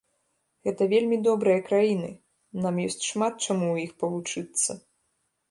Гэта вельмі добрыя краіны, нам ёсць шмат чаму у іх павучыцца.